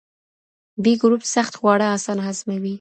B ګروپ سخت خواړه اسانه هضموي.